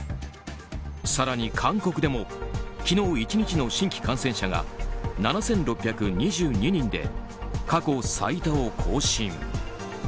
更に韓国でも昨日１日の新規感染者が７６２２人で過去最多を更新。